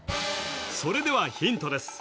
それではヒントです